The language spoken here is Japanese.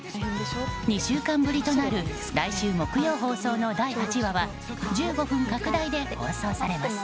２週間ぶりとなる来週木曜放送の第８話は１５分拡大で放送されます。